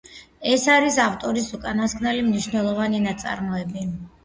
ეს არის ავტორის უკანასკნელი მნიშვნელოვანი ნაწარმოები.